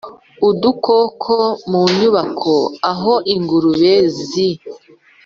udukoko mu nyubako aho ingurube zi